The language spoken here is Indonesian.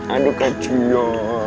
aduh kecil ya